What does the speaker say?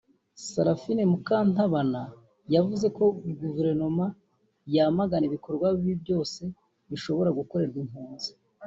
Seraphine Mukantabana yavuze ko guverinoma yamagana ibikorwa bibi byose bishobora gukorerwa impunzi